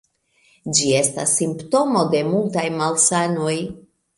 Ĝi estas simptomo de multaj malsanoj.